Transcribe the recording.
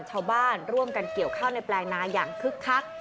ชาวบ้านร่วมกันเกี่ยวข้าวในแปลงนาอย่างคึกคัก